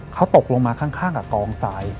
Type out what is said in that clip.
เขาตกลงมาข้างกับกองทราย